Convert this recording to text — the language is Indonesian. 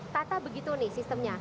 tata begitu nih sistemnya